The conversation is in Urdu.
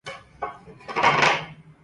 اور ہم نے دھاڑی منڈوادی